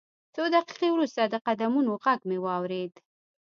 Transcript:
څو دقیقې وروسته د قدمونو غږ مې واورېد